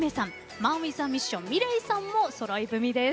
ＭＡＮＷＩＴＨＡＭＩＳＳＩＯＮｍｉｌｅｔさんも揃い踏みです。